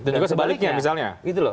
dan juga sebaliknya misalnya